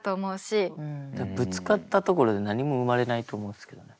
ぶつかったところで何も生まれないと思うんですけどね。